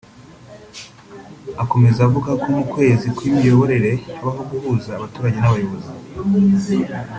Akomeza avuga ko mu kwezi kw’imiyoborere habaho guhuza abaturage n’abayobozi